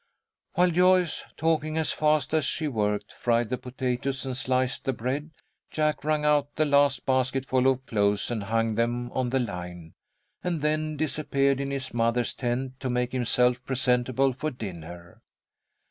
While Joyce, talking as fast as she worked, fried the potatoes and sliced the bread, Jack wrung out the last basketful of clothes and hung them on the line, and then disappeared in his mother's tent to make himself presentable for dinner.